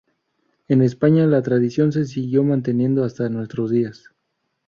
En España la tradición se siguió manteniendo hasta nuestros días.